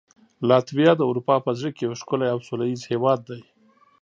لاتویا د اروپا په زړه کې یو ښکلی او سولهییز هېواد دی.